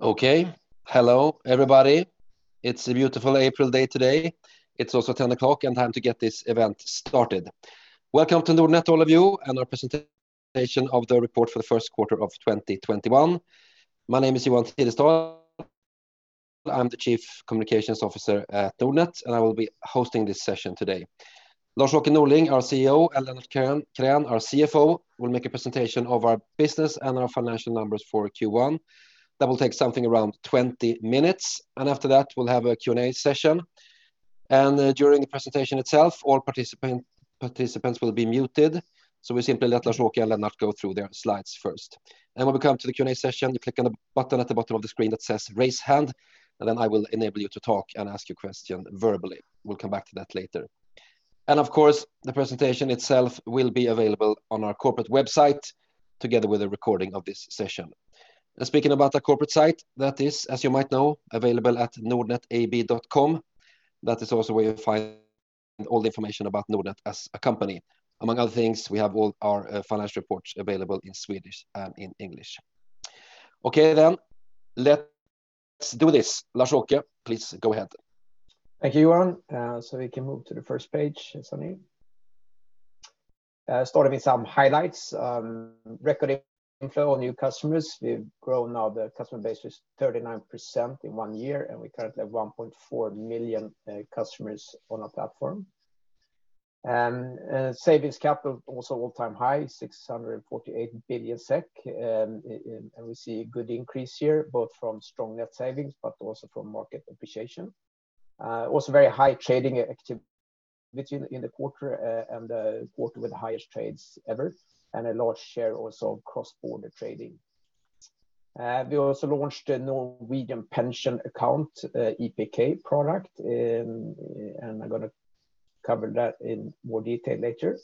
Okay. Hello everybody. It's a beautiful April day today. It's also 10:00 A.M. and time to get this event started. Welcome to Nordnet, all of you, and our presentation of the report for the first quarter of 2021. My name is Johan Tidestad. I'm the Chief Communications Officer at Nordnet, and I will be hosting this session today. Lars-Åke Norling, our CEO, and Lennart Krän, our CFO, will make a presentation of our business and our financial numbers for Q1. That will take something around 20 minutes, and after that, we'll have a Q&A session. During the presentation itself, all participants will be muted. We simply let Lars-Åke and Lennart go through their slides first. When we come to the Q&A session, you click on the button at the bottom of the screen that says "raise hand," then I will enable you to talk and ask your question verbally. We'll come back to that later. Of course, the presentation itself will be available on our corporate website together with a recording of this session. Speaking about the corporate site, that is, as you might know, available at nordnetab.com. That is also where you'll find all the information about Nordnet as a company. Among other things, we have all our financial reports available in Swedish and in English. Okay, let's do this. Lars-Åke, please go ahead. Thank you, Johan. We can move to the first page, Sonny. Starting with some highlights. Record inflow of new customers. We've grown now the customer base with 39% in one year, and we currently have 1.4 million customers on our platform. Savings capital also all-time high, 648 billion SEK, and we see a good increase here, both from strong net savings but also from market appreciation. Also very high trading activity in the quarter, and the quarter with highest trades ever, and a large share also of cross-border trading. We also launched a Norwegian pension account EPK product, and I'm going to cover that in more detail later.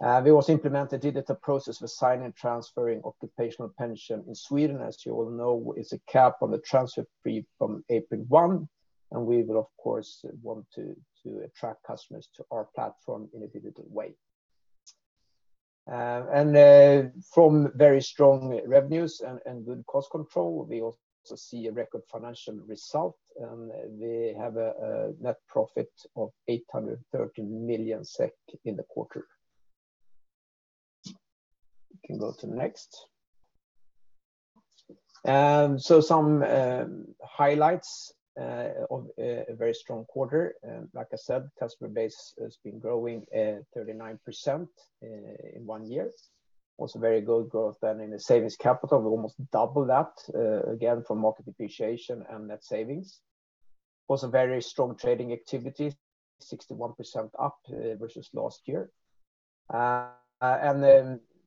We also implemented digital process for signing, transferring occupational pension in Sweden. As you all know, it's a cap on the transfer fee from April 1, we would of course want to attract customers to our platform in a digital way. From very strong revenues and good cost control, we also see a record financial result, we have a net profit of 830 million SEK in the quarter. You can go to the next. Some highlights of a very strong quarter. Like I said, customer base has been growing 39% in one year. Also very good growth then in the savings capital. We almost double that, again, from market appreciation and net savings. Also very strong trading activity, 61% up versus last year.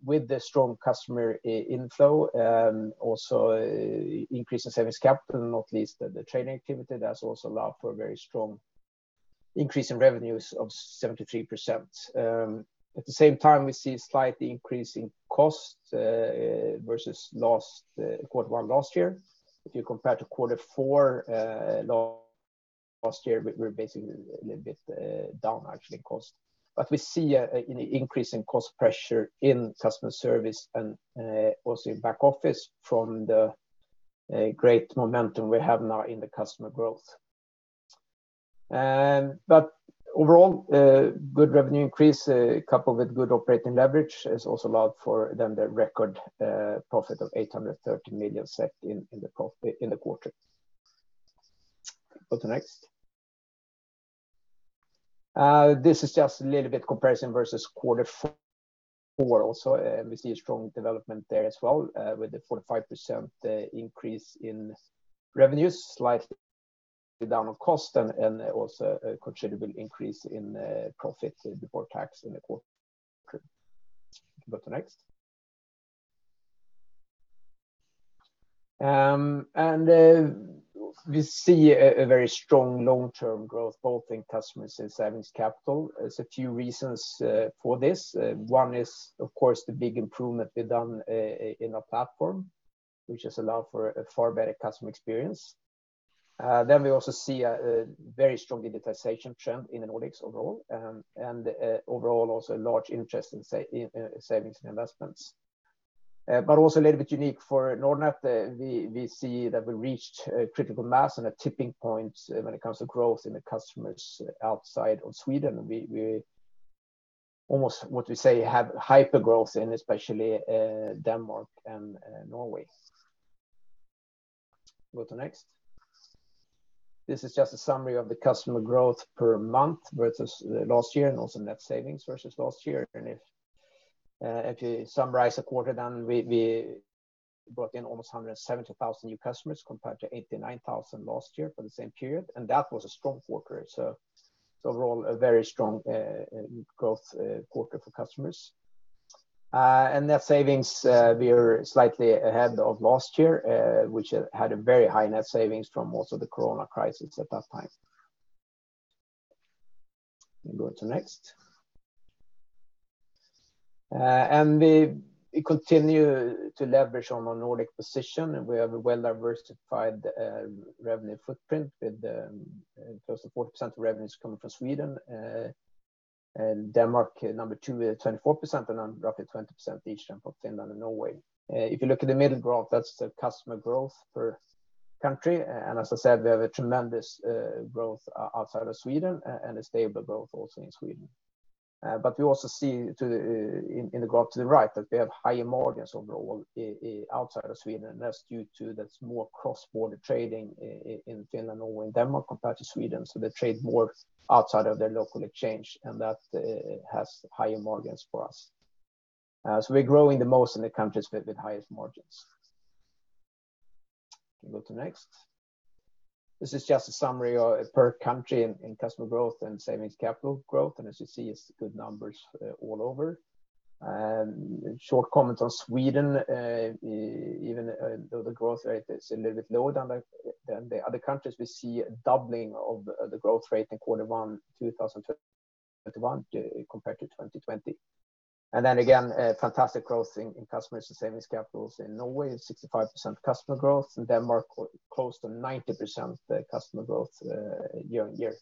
With the strong customer inflow, also increase in savings capital, not least the trading activity, that's also allowed for a very strong increase in revenues of 73%. At the same time, we see slightly increase in cost, versus quarter one last year. If you compare to quarter four last year, we're basically a little bit down actually cost. We see an increase in cost pressure in customer service and also in back office from the great momentum we have now in the customer growth. Overall, good revenue increase coupled with good operating leverage has also allowed for then the record profit of 830 million in the quarter. Go to next. This is just a little bit comparison versus quarter four also. We see a strong development there as well, with the 45% increase in revenues, slightly down of cost and also a considerable increase in profit before tax in the quarter. Go to next. We see a very strong long-term growth both in customers and savings capital. There's a few reasons for this. One is, of course, the big improvement we've done in our platform, which has allowed for a far better customer experience. We also see a very strong digitization trend in Nordics overall, and overall also a large interest in savings and investments. Also a little bit unique for Nordnet, we see that we reached a critical mass and a tipping point when it comes to growth in the customers outside of Sweden. We almost, what we say, have hypergrowth in especially Denmark and Norway. Go to next. This is just a summary of the customer growth per month versus last year, and also net savings versus last year. If you summarize a quarter, then we brought in almost 170,000 new customers compared to 89,000 last year for the same period, and that was a strong quarter. Overall, a very strong growth quarter for customers. Net savings, we are slightly ahead of last year, which had a very high net savings from most of the Corona Crisis at that time. We can go to next. We continue to leverage on our Nordic position, and we have a well-diversified revenue footprint with close to 40% of revenues coming from Sweden, and Denmark number two with 24%, and then roughly 20% each for Finland and Norway. If you look at the middle graph, that's the customer growth per country. As I said, we have a tremendous growth outside of Sweden and a stable growth also in Sweden. We also see in the graph to the right that we have higher margins overall outside of Sweden, and that's due to there's more cross-border trading in Finland or in Denmark compared to Sweden. They trade more outside of their local exchange, and that has higher margins for us. We're growing the most in the countries with the highest margins. You can go to next. This is just a summary per country in customer growth and savings capital growth, and as you see, it's good numbers all over. Short comment on Sweden, even though the growth rate is a little bit lower than the other countries, we see a doubling of the growth rate in Q1 2021 compared to 2020. Then again, fantastic growth in customers and savings capitals in Norway, 65% customer growth. In Denmark, close to 90% customer growth year-on-year,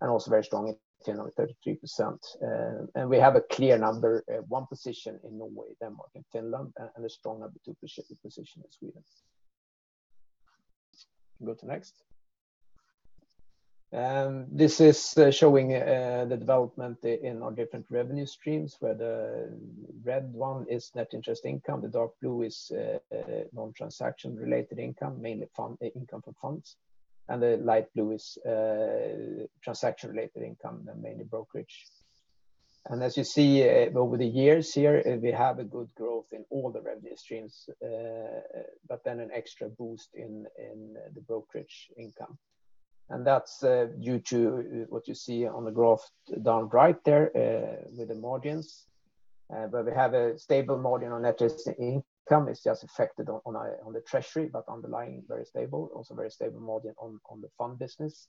and also very strong in Finland, 33%. We have a clear number one position in Norway, Denmark, and Finland, and a strong number two position in Sweden. Go to next. This is showing the development in our different revenue streams, where the red one is net interest income, the dark blue is non-transaction related income, mainly income from funds. The light blue is transaction related income, mainly brokerage. As you see over the years here, we have a good growth in all the revenue streams, but then an extra boost in the brokerage income. That's due to what you see on the graph down right there, with the margins, where we have a stable margin on net interest income. It's just affected on the treasury, but underlying very stable, also very stable margin on the fund business.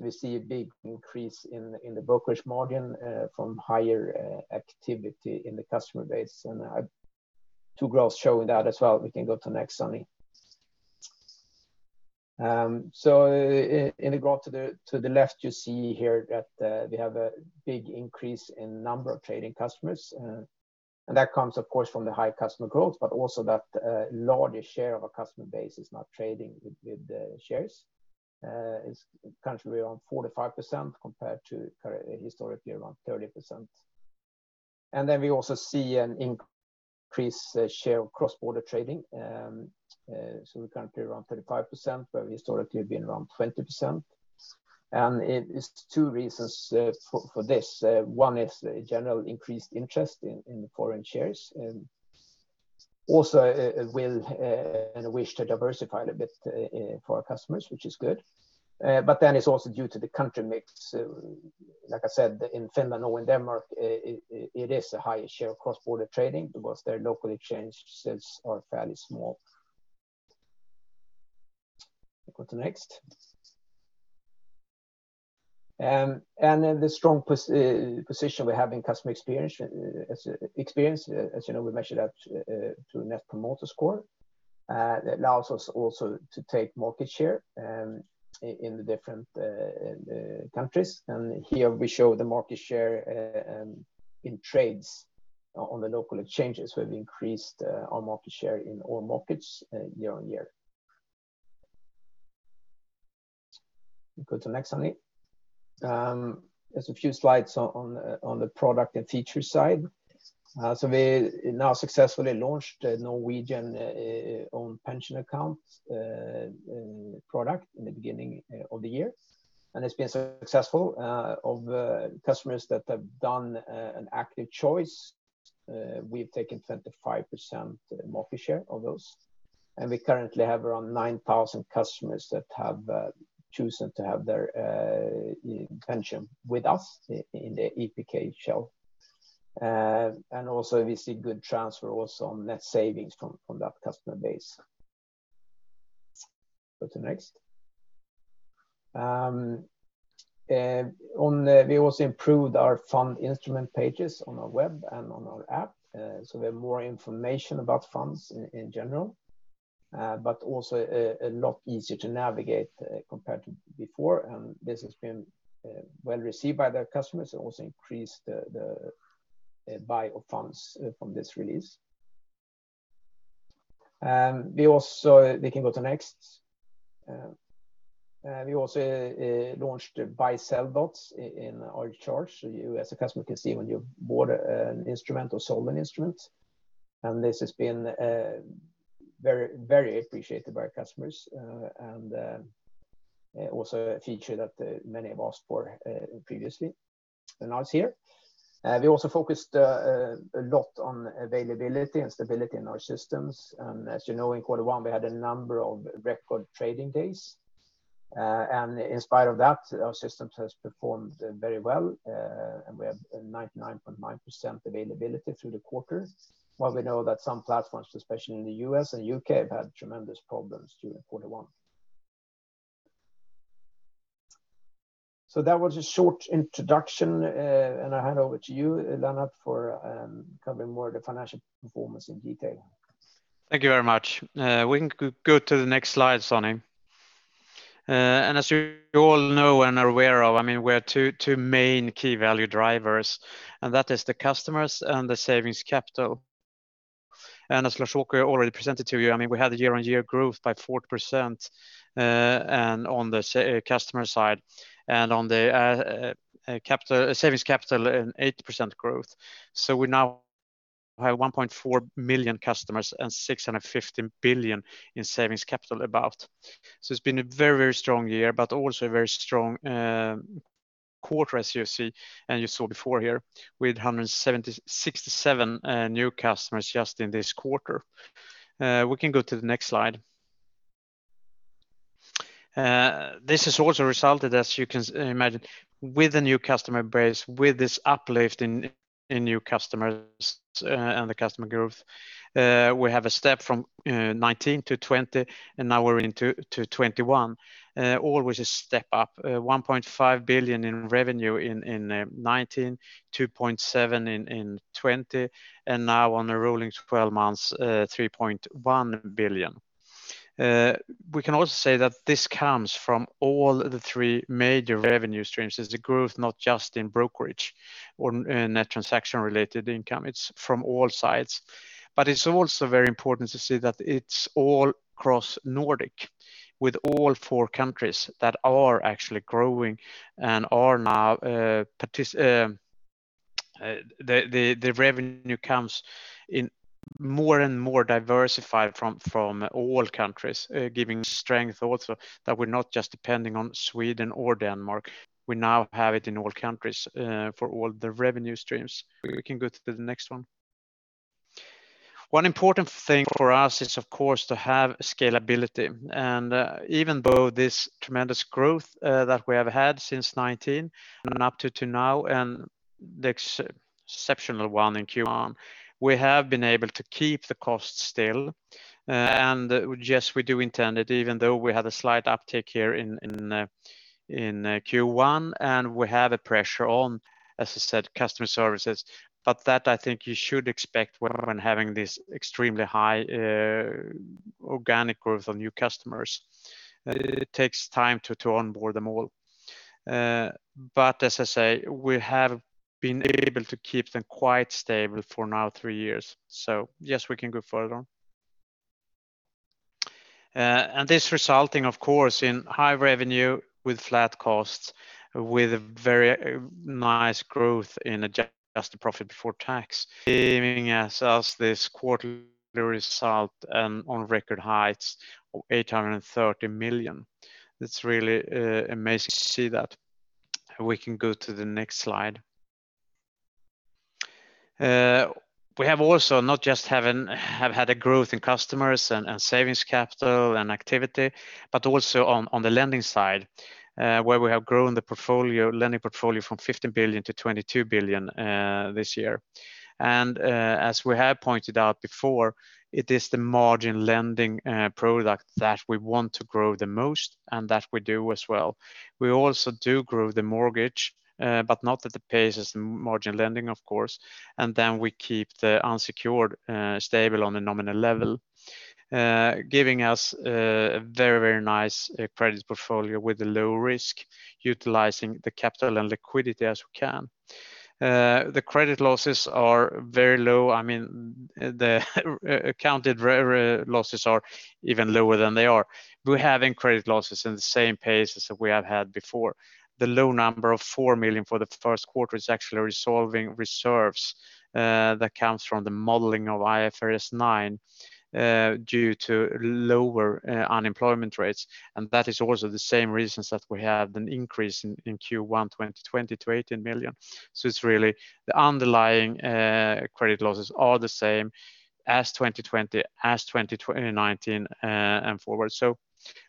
We see a big increase in the brokerage margin from higher activity in the customer base and two graphs showing that as well. We can go to next, Sonny. In the graph to the left, you see here that we have a big increase in number of trading customers. That comes, of course, from the high customer growth, but also that larger share of our customer base is now trading with shares. It's currently around 45% compared to historically around 30%. We also see an increased share of cross-border trading. We're currently around 35%, where we historically have been around 20%. It's two reasons for this. One is general increased interest in foreign shares, and also a will and a wish to diversify it a bit for our customers, which is good. It's also due to the country mix. Like I said, in Finland or in Denmark, it is a higher share of cross-border trading because their local exchange sales are fairly small. Go to next. The strong position we have in customer experience, as you know, we measure that through Net Promoter Score. That allows us also to take market share in the different countries. Here we show the market share in trades on the local exchanges. We've increased our market share in all markets year-on-year. Go to next, Sonny. There's a few slides on the product and feature side. We now successfully launched a Norwegian-owned pension account product in the beginning of the year, and it's been successful. Of customers that have done an active choice, we've taken 25% market share of those, and we currently have around 9,000 customers that have chosen to have their pension with us in the EPK shell. Also we see good transfer also on net savings from that customer base. Go to next. We also improved our fund instrument pages on our web and on our app, so we have more information about funds in general but also a lot easier to navigate compared to before, and this has been well received by the customers and also increased the buy of funds from this release. We can go to next. We also launched buy/sell dots in our charts so you as a customer can see when you've bought an instrument or sold an instrument, and this has been very appreciated by our customers, and also a feature that many have asked for previously and now it's here. We also focused a lot on availability and stability in our systems, and as you know, in quarter one we had a number of record trading days. In spite of that, our systems has performed very well, and we have a 99.9% availability through the quarter while we know that some platforms, especially in the U.S. and U.K., have had tremendous problems during quarter one. That was a short introduction, and I hand over to you Lennart for covering more of the financial performance in detail. Thank you very much. We can go to the next slide, Sonny. As you all know and are aware of, we have two main key value drivers, and that is the customers and the savings capital. As Lars-Åke already presented to you, we had a year-over-year growth by 40% on the customer side and on the savings capital, an 80% growth. We now have 1.4 million customers and 615 billion in savings capital about. It's been a very strong year, but also a very strong quarter, as you see, and you saw before here with 167 new customers just in this quarter. We can go to the next slide. This has also resulted, as you can imagine, with the new customer base, with this uplift in new customers and the customer growth we have a step from 2019-2020, and now we're into 2021. Always a step up, 1.5 billion in revenue in 2019, 2.7 billion in 2020, and now on a rolling 12 months, 3.1 billion. We can also say that this comes from all three major revenue streams. It's the growth, not just in brokerage or net transaction related income, it's from all sides. It's also very important to see that it's all across Nordic with all four countries that are actually growing and the revenue comes more and more diversified from all countries, giving strength also that we're not just depending on Sweden or Denmark. We now have it in all countries for all the revenue streams. We can go to the next one. One important thing for us is, of course, to have scalability. Even though this tremendous growth that we have had since 2019 and up to now and the exceptional one in Q1, we have been able to keep the cost still. Yes, we do intend it, even though we had a slight uptick here in Q1, and we have a pressure on, as I said, customer services. That I think you should expect when having this extremely high organic growth of new customers. It takes time to onboard them all. As I say, we have been able to keep them quite stable for now three years. Yes, we can go further on. This resulting, of course, in high revenue with flat costs, with a very nice growth in adjusted profit before tax, giving us this quarterly result on record heights of 830 million. It's really amazing to see that. We can go to the next slide. We have also not just have had a growth in customers and savings capital and activity, but also on the lending side where we have grown the lending portfolio from 15 billion-22 billion this year. As we have pointed out before, it is the margin lending product that we want to grow the most and that we do as well. We also do grow the mortgage but not at the pace as the margin lending, of course, and then we keep the unsecured stable on a nominal level giving us a very nice credit portfolio with a low risk, utilizing the capital and liquidity as we can. The credit losses are very low. The accounted losses are even lower than they are. We're having credit losses in the same pace as we have had before. The low number of 4 million for the first quarter is actually resolving reserves that comes from the modeling of IFRS 9 due to lower unemployment rates. That is also the same reasons that we had an increase in Q1 2020 to 18 million. It is really the underlying credit losses are the same as 2020, as 2019 and forward.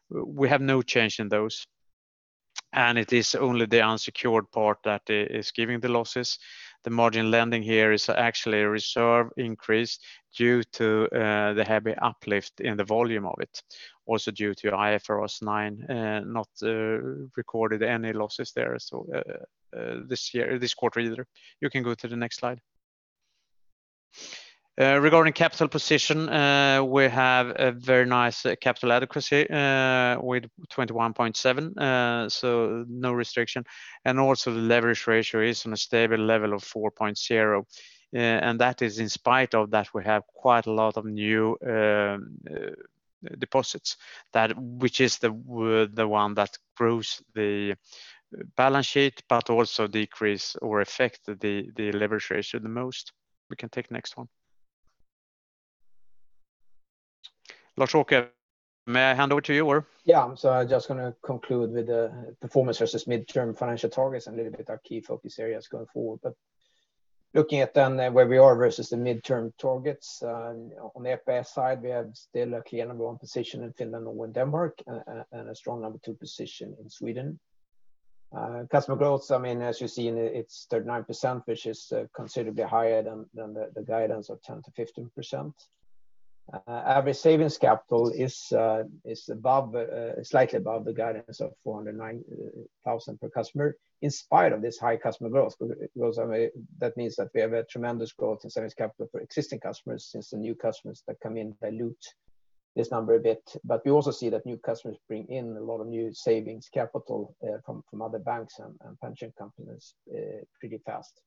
We have no change in those. It is only the unsecured part that is giving the losses. The margin lending here is actually a reserve increase due to the heavy uplift in the volume of it. Due to IFRS 9 not recorded any losses there this quarter either. You can go to the next slide. Regarding capital position, we have a very nice capital adequacy, with 21.7%, so no restriction. Also the leverage ratio is on a stable level of 4.0. That is in spite of that we have quite a lot of new deposits which is the one that grows the balance sheet but also decrease or affect the leverage ratio the most. We can take the next one. Lars-Åke, may I hand over to you? I'm just going to conclude with the performance versus midterm financial targets and a little bit our key focus areas going forward. Looking at where we are versus the midterm targets, on the NPS side, we have still a clear number one position in Finland and Denmark and a strong number two position in Sweden. Customer growth, as you see it's 39%, which is considerably higher than the guidance of 10%-15%. Average savings capital is slightly above the guidance of 409,000 per customer in spite of this high customer growth, because that means that we have a tremendous growth in savings capital for existing customers since the new customers that come in dilute this number a bit, but we also see that new customers bring in a lot of new savings capital from other banks and pension companies pretty fast.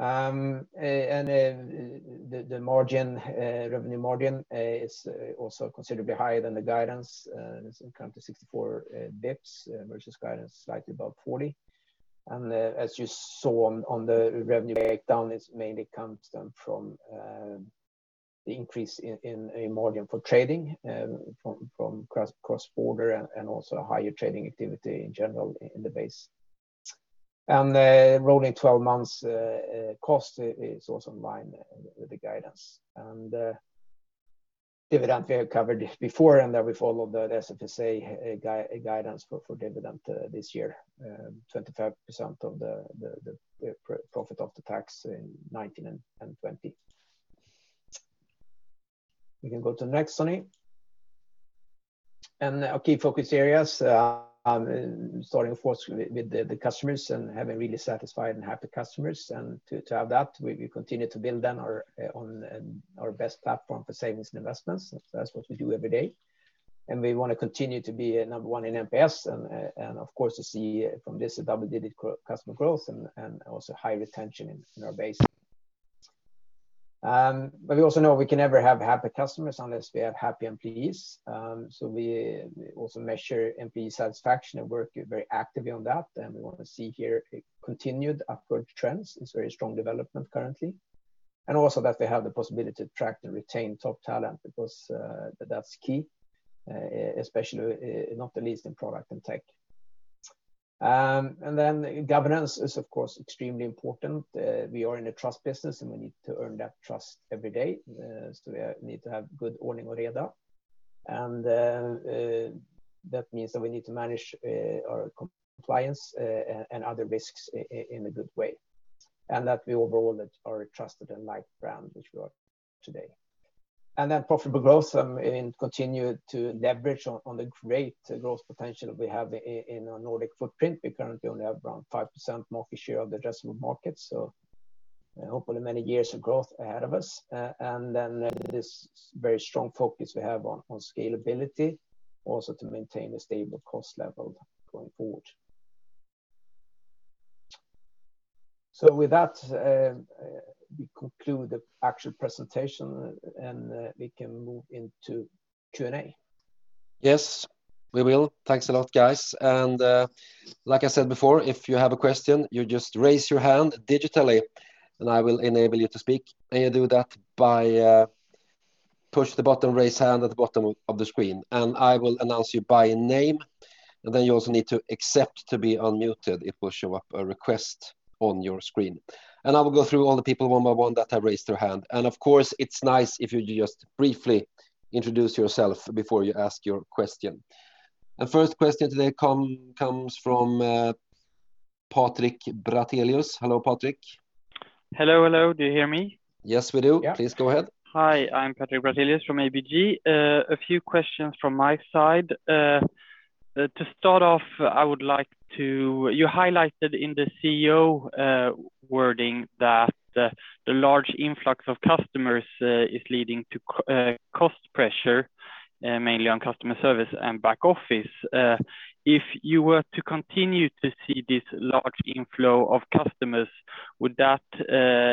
The revenue margin is also considerably higher than the guidance. It's come to 64 bps versus guidance slightly above 40. As you saw on the revenue breakdown, it mainly comes down from the increase in margin for trading from cross border and also higher trading activity in general in the base. Rolling 12 months cost is also in line with the guidance. Dividend we have covered before, and we follow the SFSA guidance for dividend this year, 25% of the profit after tax in 2019 and 2020. We can go to the next, Sonny. Our key focus areas, starting of course with the customers and having really satisfied and happy customers. To have that, we continue to build on our best platform for savings and investments. That's what we do every day. We want to continue to be number one in NPS and of course, to see from this double-digit customer growth and also high retention in our base. We also know we can never have happy customers unless we have happy employees. We also measure employee satisfaction and work very actively on that. We want to see here a continued upward trends. It's very strong development currently, and also that we have the possibility to attract and retain top talent because that's key, especially not the least in product and tech. Governance is of course extremely important. We are in a trust business, and we need to earn that trust every day. We need to have good ordering of data, and that means that we need to manage our compliance and other risks in a good way. That we overall are a trusted and liked brand, which we are today. Profitable growth and continue to leverage on the great growth potential we have in our Nordic footprint. We currently only have around 5% market share of the addressable market, so hopefully many years of growth ahead of us. This very strong focus we have on scalability also to maintain a stable cost level going forward. With that we conclude the actual presentation, and we can move into Q&A. Yes, we will. Thanks a lot, guys. Like I said before, if you have a question, you just raise your hand digitally, and I will enable you to speak. You do that by push the button, raise hand at the bottom of the screen, and I will announce you by name. Then you also need to accept to be unmuted. It will show up a request on your screen. I will go through all the people one by one that have raised their hand. Of course, it's nice if you just briefly introduce yourself before you ask your question. The first question today comes from Patrik Brattelius. Hello, Patrik. Hello, hello. Do you hear me? Yes, we do. Yeah. Please go ahead. Hi, I'm Patrik Brattelius from ABG. A few questions from my side. To start off, you highlighted in the CEO wording that the large influx of customers is leading to cost pressure, mainly on customer service and back office. If you were to continue to see this large inflow of customers, would that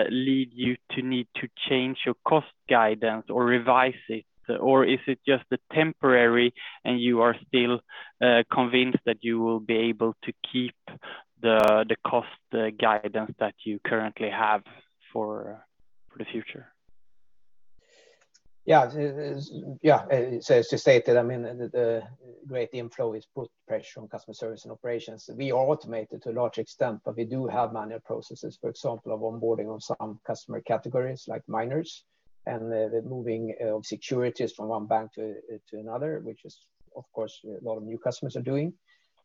lead you to need to change your cost guidance or revise it? Is it just temporary and you are still convinced that you will be able to keep the cost guidance that you currently have for the future? Yeah. As you stated, the great inflow has put pressure on customer service and operations. We are automated to a large extent, but we do have manual processes, for example, of onboarding of some customer categories like minors and the moving of securities from one bank to another, which of course a lot of new customers are doing.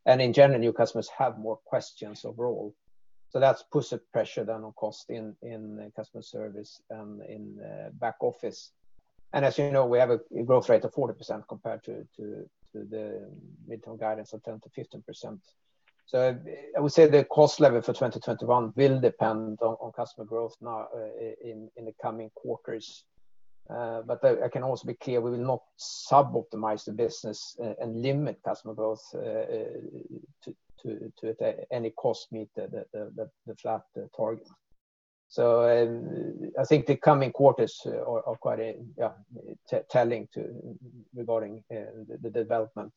In general, new customers have more questions overall. That's put pressure then on cost in customer service and in back office. As you know, we have a growth rate of 40% compared to the midterm guidance of 10%-15%. I would say the cost level for 2021 will depend on customer growth now in the coming quarters. I can also be clear, we will not sub-optimize the business and limit customer growth to any cost meet the flat target. I think the coming quarters are quite telling regarding the development.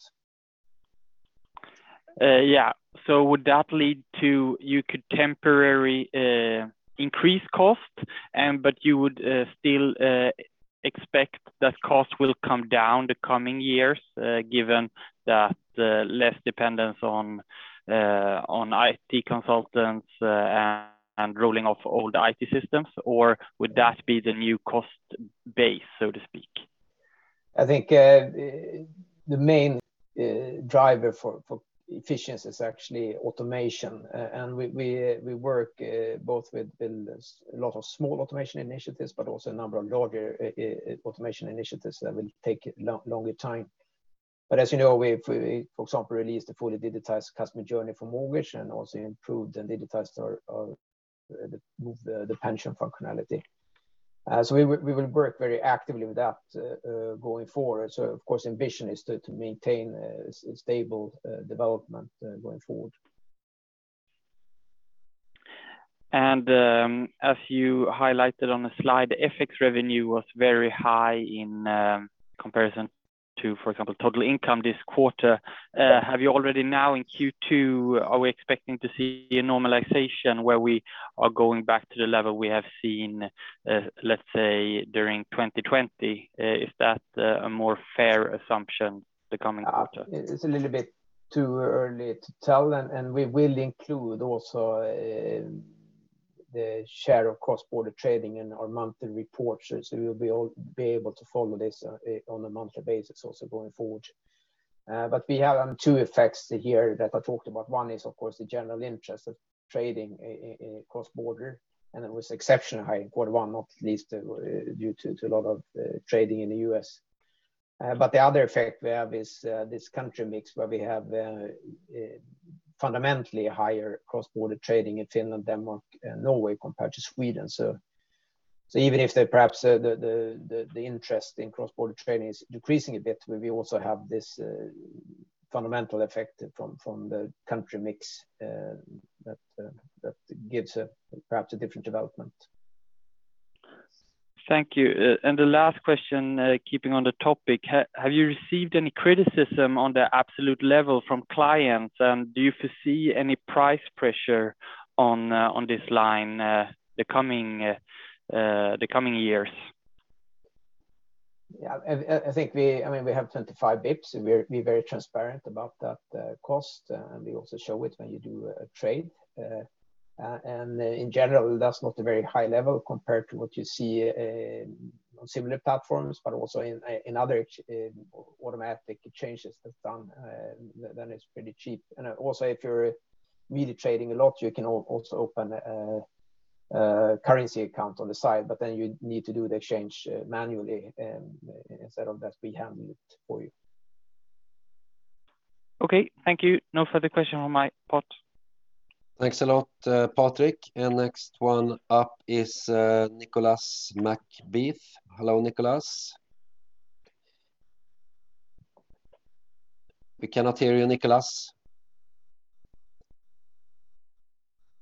Yeah. Would that lead to you could temporarily increase cost, but you would still expect that cost will come down the coming years given that less dependence on IT consultants and rolling off old IT systems? Would that be the new cost base, so to speak? I think the main driver for efficiency is actually automation. We work both with a lot of small automation initiatives, but also a number of larger automation initiatives that will take longer time. As you know, we, for example, released a fully digitized customer journey for mortgage and also improved and digitized the pension functionality. We will work very actively with that going forward. Of course, the ambition is to maintain a stable development going forward. As you highlighted on the slide, FX revenue was very high in comparison to, for example, total income this quarter. Are we expecting to see a normalization where we are going back to the level we have seen, let's say, during 2020? Is that a fairer assumption the coming quarter? It's a little bit too early to tell. We will include also the share of cross-border trading in our monthly report. You'll be able to follow this on a monthly basis also going forward. We have two effects here that I talked about. One is, of course, the general interest of trading cross-border, and it was exceptionally high in Q1, not least due to a lot of trading in the U.S. The other effect we have is this country mix where we have fundamentally higher cross-border trading in Finland, Denmark, and Norway compared to Sweden. Even if perhaps the interest in cross-border trading is decreasing a bit, we also have this fundamental effect from the country mix that gives perhaps a different development. Thank you. The last question, keeping on the topic, have you received any criticism on the absolute level from clients, and do you foresee any price pressure on this line the coming years? Yeah. We have 25 bps, and we're very transparent about that cost, and we also show it when you do a trade. In general, that's not a very high level compared to what you see on similar platforms, but also in other automatic changes that's done, then it's pretty cheap. Also, if you're really trading a lot, you can also open a currency account on the side, but then you need to do the exchange manually instead of us handling it for you. Okay. Thank you. No further question on my part. Thanks a lot, Patrik. Next one up is Nicolas Vaysselier. Hello, Nicolas. We cannot hear you, Nicolas.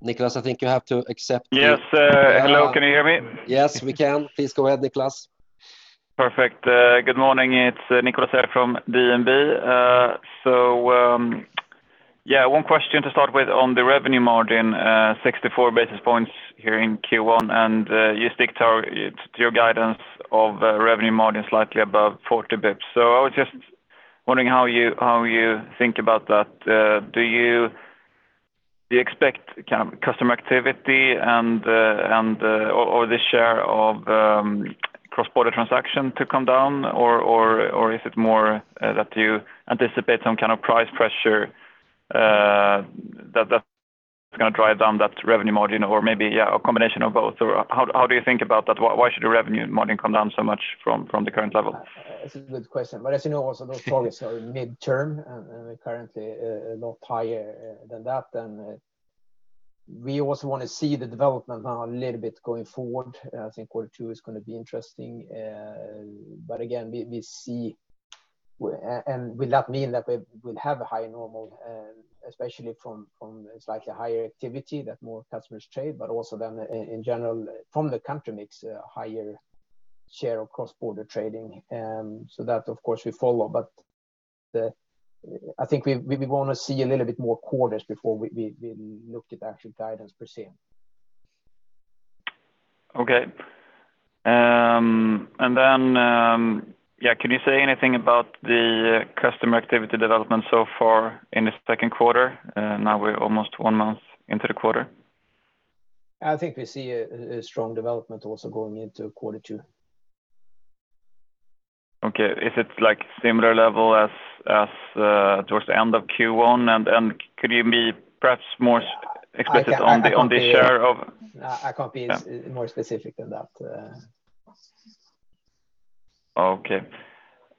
Nicolas, I think you have to accept. Yes. Hello, can you hear me? Yes, we can. Please go ahead, Nicolas. Perfect. Good morning. It's Nicolas here from BNP. One question to start with on the revenue margin, 64 basis points here in Q1, and you stick to your guidance of revenue margin slightly above 40 bps. I was just wondering how you think about that. Do you expect customer activity or the share of cross-border transaction to come down? Is it more that you anticipate some kind of price pressure that's going to drive down that revenue margin or maybe a combination of both? How do you think about that? Why should the revenue margin come down so much from the current level? That's a good question. As you know, also those targets are midterm, and we're currently a lot higher than that then. We also want to see the development now a little bit going forward. I think Q2 is going to be interesting. Again, will that mean that we'll have a high normal, especially from a slightly higher activity that more customers trade, but also then in general from the country mix, a higher share of cross-border trading. That of course we follow, but I think we want to see a little bit more quarters before we look at actual guidance per se. Okay. Can you say anything about the customer activity development so far in the second quarter? Now we're almost one month into the quarter. I think we see a strong development also going into Q2. Okay. Is it similar level as towards the end of Q1, and could you be perhaps more explicit on the share of? I can't be more specific than that. Okay.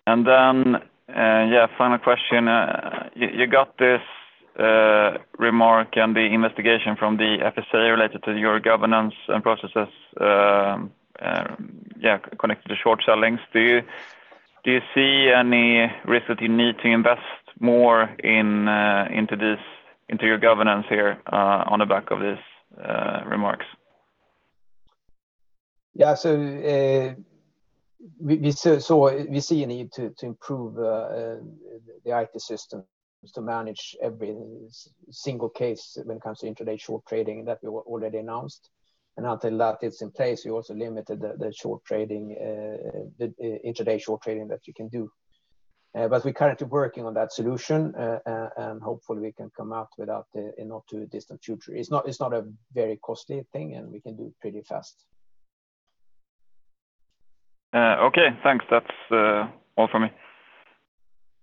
Final question. You got this remark and the investigation from the FSA related to your governance and processes connected to short selling. Do you see any risk that you need to invest more into your governance here on the back of these remarks? Yes. We see a need to improve the IT systems to manage every single case when it comes to intraday short trading that we already announced. Until that is in place, we also limited the intraday short trading that you can do. We're currently working on that solution, and hopefully we can come out with that in not too distant future. It's not a very costly thing, and we can do it pretty fast. Okay, thanks. That's all from me.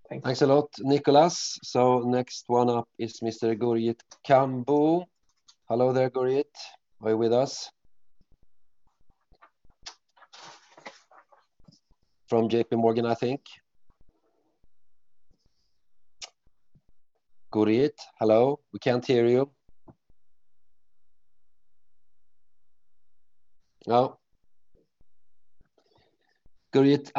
Thanks. Thanks a lot, Nicolas. Next one up is Mr. Gurjit Kambo. Hello there, Gurjit. Are you with us? From JPMorgan, I think. Gurjit, hello? We can't hear you. No. Gurjit,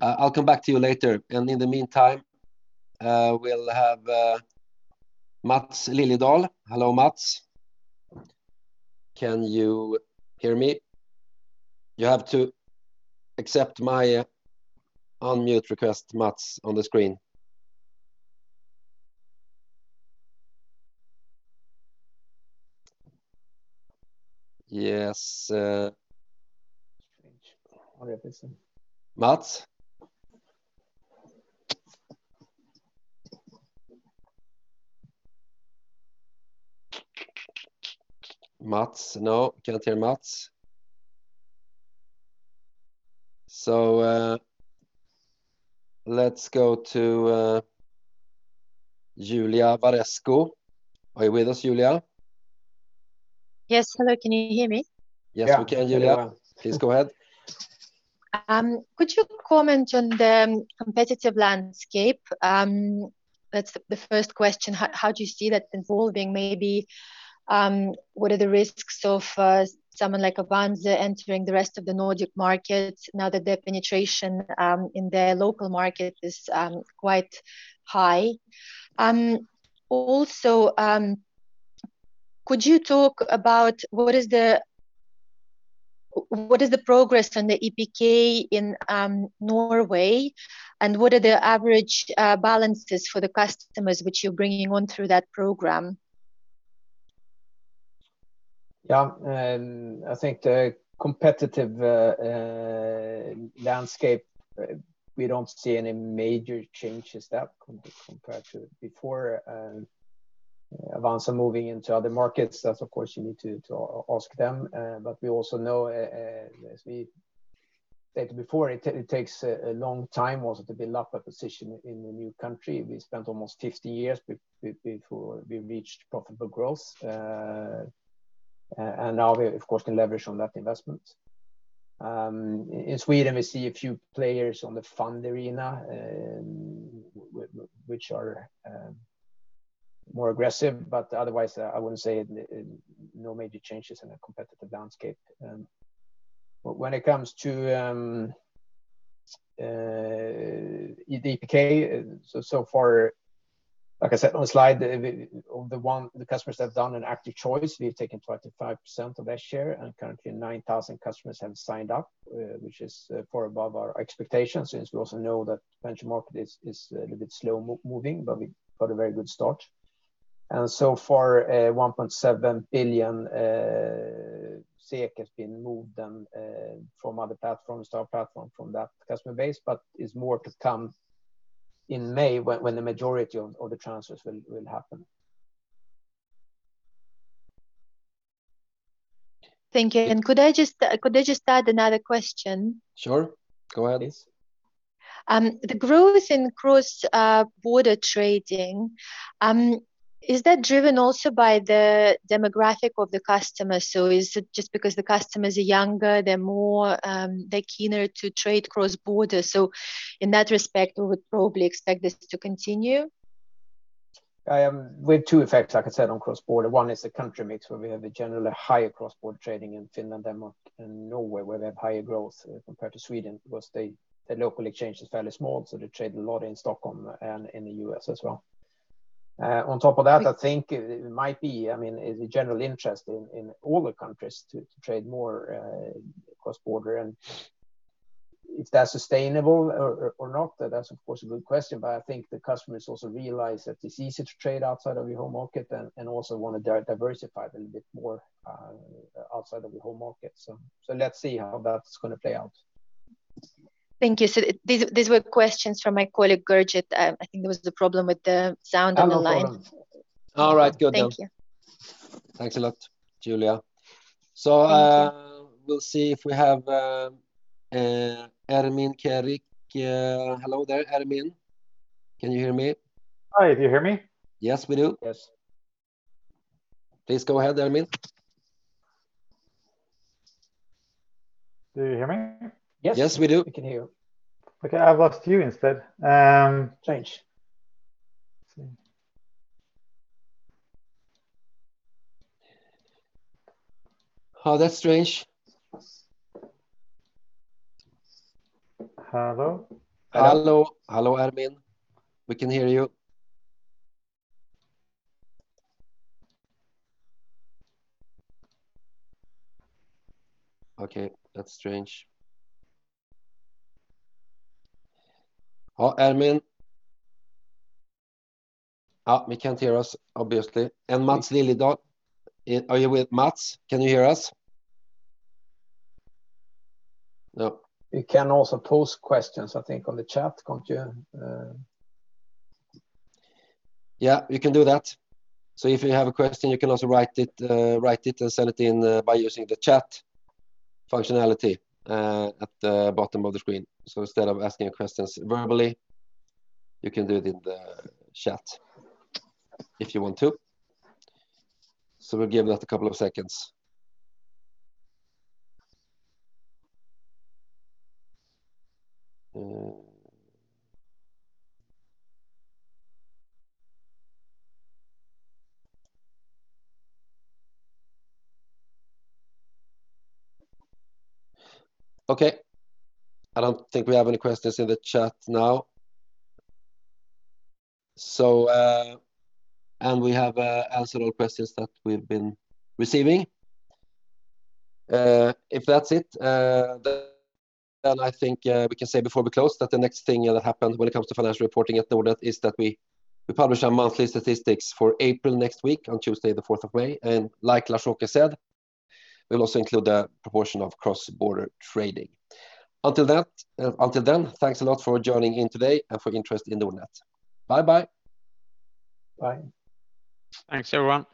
I'll come back to you later. In the meantime, we'll have Mats Lilloe. Hello, Mats. Can you hear me? You have to accept my unmute request, Mats, on the screen. Yes. Strange. I'll get this in. Mats? Mats? No, can't hear Mats. Let's go to Julia Varesko. Are you with us, Julia? Yes. Hello, can you hear me? Yes, we can, Julia. Yeah. Please go ahead. Could you comment on the competitive landscape? That's the first question. How do you see that evolving, maybe? What are the risks of someone like Avanza entering the rest of the Nordic markets now that their penetration in their local market is quite high? Also, could you talk about what is the progress on the EPK in Norway, and what are the average balances for the customers which you're bringing on through that program? Yeah. I think the competitive landscape, we don't see any major changes there compared to before. Avanza moving into other markets, that of course you need to ask them. We also know, as we stated before, it takes a long time also to build up a position in a new country. We spent almost 50 years before we reached profitable growth. Now we of course can leverage on that investment. In Sweden, we see a few players on the fund arena, which are more aggressive, but otherwise no major changes in the competitive landscape. When it comes to EPK, so far, like I said on the slide, of the ones the customers have done an active choice, we've taken 25% of that share. Currently 9,000 customers have signed up, which is far above our expectations since we also know that pension market is a little bit slow moving, but we got a very good start. So far, 1.7 billion SEK has been moved from other platforms to our platform from that customer base. There's more to come in May when the majority of the transfers will happen. Thank you. Could I just add another question? Sure. Go ahead, please. The growth in cross-border trading, is that driven also by the demographic of the customer? Is it just because the customers are younger, they're keener to trade cross-border? In that respect, we would probably expect this to continue? With two effects, like I said, on cross-border. One is the country mix, where we have a generally higher cross-border trading in Finland, Denmark, and Norway, where they have higher growth compared to Sweden because their local exchange is fairly small, so they trade a lot in Stockholm and in the U.S. as well. On top of that, I think it might be a general interest in all the countries to trade more cross-border. If that's sustainable or not, that's of course a good question. I think the customers also realize that it's easier to trade outside of your home market and also want to diversify it a little bit more outside of your home market. Let's see how that's going to play out. Thank you. These were questions from my colleague, Gurjit. I think there was a problem with the sound on the line. No problem. All right. Good then. Thank you. Thanks a lot, Julia. Thank you we'll see if we have Ermin Keric. Hello there, Ermin. Can you hear me? Hi. Do you hear me? Yes, we do. Yes. Please go ahead, Ermin. Do you hear me? Yes, we do. We can hear you. Okay. I'll talk to you instead. Change. Oh, that's strange. Hello? Hello. Hello, Ermin. We can hear you. Okay, that's strange. Ermin? We can't hear us, obviously. Mats Lilloe, Mats, can you hear us? No. You can also post questions, I think, on the chat, can't you? Yeah, you can do that. If you have a question, you can also write it and send it in by using the chat functionality at the bottom of the screen. Instead of asking questions verbally, you can do it in the chat if you want to. We'll give that a couple of seconds. Okay. I don't think we have any questions in the chat now. We have answered all questions that we've been receiving. If that's it, I think we can say before we close that the next thing that happens when it comes to financial reporting at Nordnet is that we publish our monthly statistics for April next week on Tuesday the 4th of May. Like Lars-Åke said, we'll also include the proportion of cross-border trading. Until then, thanks a lot for joining in today and for your interest in Nordnet. Bye bye. Bye. Thanks, everyone.